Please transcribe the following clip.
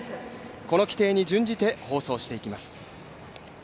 この規定に準じて放送していきます。